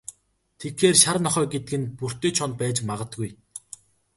Тэгэхээр, шар нохой гэдэг нь Бөртэ Чоно байж магадгүй.